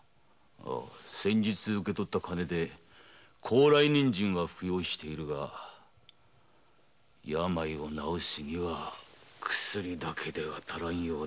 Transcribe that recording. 先日受け取った金で高麗人参は服用しているが病を治すには薬だけでは足らぬようだ。